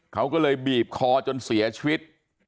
เขาก็เลยบีบคอจนเสียชีวิต